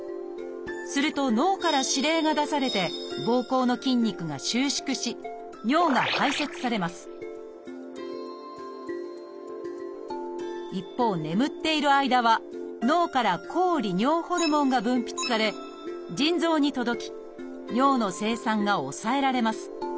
すると脳から指令が出されてぼうこうの筋肉が収縮し尿が排泄されます一方眠っている間は脳から抗利尿ホルモンが分泌され腎臓に届き尿の生産が抑えられます。